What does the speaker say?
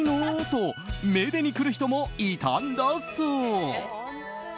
とめでに来る人もいたんだそう。